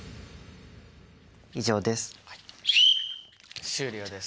以上です。